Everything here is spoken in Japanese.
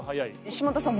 島田さん